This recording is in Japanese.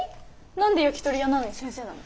何で焼きとり屋なのに先生なの？